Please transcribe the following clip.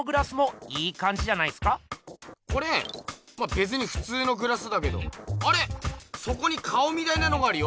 べつにふつうのグラスだけどあれ⁉そこに顔みたいなのがあるよ？